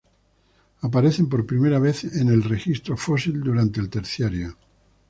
Aparecen por primera vez en el registro fósil durante el Terciario.